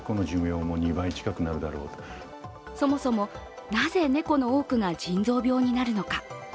そもそも、なぜ、猫の多くが腎臓病になるのか。